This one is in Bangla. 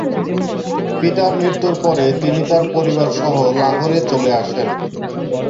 পিতার মৃত্যুর পরে তিনি তার পরিবারসহ লাহোরে চলে আসেন।